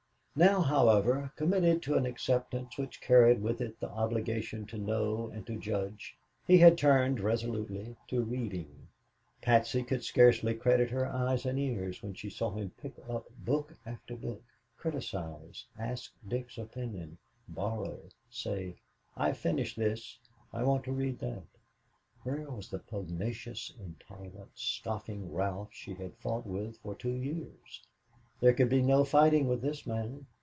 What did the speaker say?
Now, however, committed to an acceptance which carried with it the obligation to know and to judge, he had turned resolutely to reading. Patsy could scarcely credit her eyes and ears when she saw him pick up book after book criticize, ask Dick's opinion, borrow, say, "I've finished this" "I want to read that." Where was the pugnacious, intolerant, scoffing Ralph she had fought with for two years? There could be no fighting with this man.